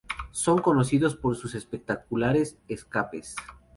Son conocidos por sus espectaculares escapes.